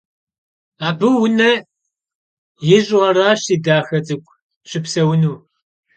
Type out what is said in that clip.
Abı vune yiş'u araş, si daxe ts'ık'u, şıpseunu.